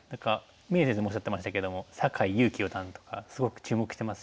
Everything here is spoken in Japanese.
銘先生もおっしゃってましたけども酒井佑規四段とかすごく注目してますし。